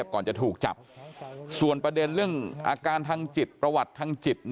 ก่อนจะถูกจับส่วนประเด็นเรื่องอาการทางจิตประวัติทางจิต